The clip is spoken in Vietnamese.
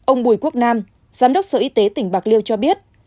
ông bùi quốc nam giám đốc sở y tế tỉnh bạc liêu cho biết